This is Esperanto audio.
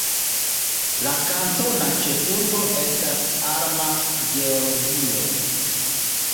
La kantona ĉefurbo estas Alma, Georgio.